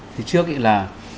thì trước là